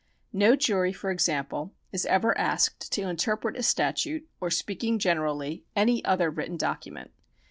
No jury, for example, is ever asked to interpret a statute or, speaking generally, any other written document.